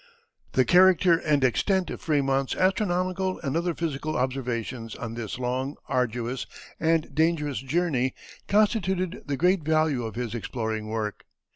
] The character and extent of Frémont's astronomical and other physical observations on this long, arduous, and dangerous journey constituted the great value of his exploring work.